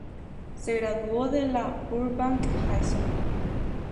Se graduó de la "Burbank High School".